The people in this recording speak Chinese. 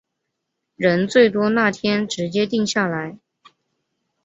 人最多那天直接定下来